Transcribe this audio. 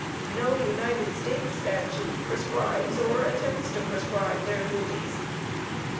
No United States statute prescribes or attempts to prescribe their duties.